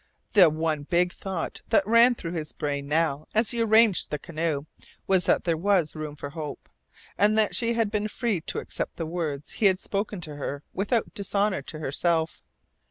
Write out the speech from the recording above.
The one big thought that ran through his brain now, as he arranged the canoe, was that there was room for hope, and that she had been free to accept the words he had spoken to her without dishonour to herself.